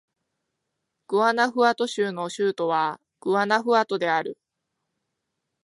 グアナフアト州の州都はグアナフアトである